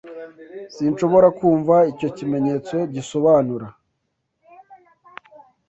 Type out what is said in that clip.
Sinshobora kumva icyo kimenyetso gisobanura.